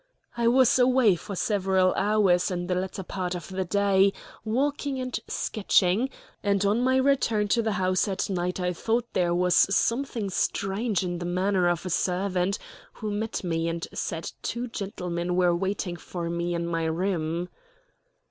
I was away for several hours in the latter part of the day, walking and sketching, and on my return to the house at night I thought there was something strange in the manner of a servant who met me and said two gentlemen were waiting for me in my room.